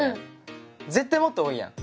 絶対もっと多いやん。